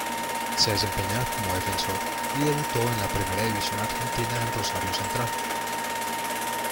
Se desempeñaba como defensor y debutó en la Primera División Argentina en Rosario Central.